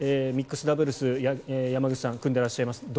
ミックスダブルス山口さん組んでいらっしゃいます